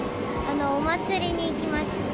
お祭りに行きました。